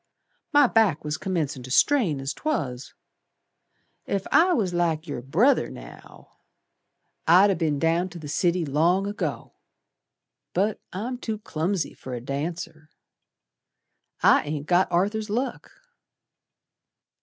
My back was commencin' to strain, as 'twas. Ef I was like yer brother now, I'd ha' be'n down to the city long ago. But I'm too clumsy fer a dancer. I ain't got Arthur's luck."